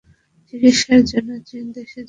চিকিৎসার জন্য চীন দেশে যান।